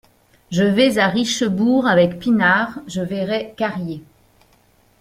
Je vais à Richebourg avec Pinard, je verrai Carrier.